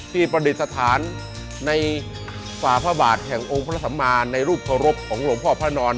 ประดิษฐานในฝ่าพระบาทแห่งองค์พระสัมมาในรูปเคารพของหลวงพ่อพระนอน